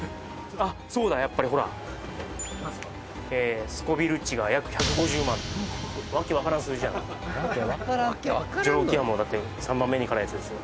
あっそうだやっぱりほらスコヴィル値が約１５０万訳分からん数字やなジョロキアもだって３番目に辛いやつですよ